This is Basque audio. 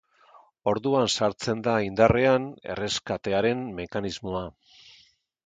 Orduan sartzen da indarrean erreskatearen mekanismoa.